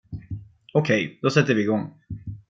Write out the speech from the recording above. Okej, då sätter vi igång.